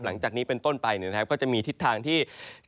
หลังจากนี้เป็นต้นไปก็จะมีทิศทางที่